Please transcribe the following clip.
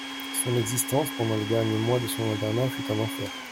Son existence, pendant les derniers mois de son internat, fut un enfer.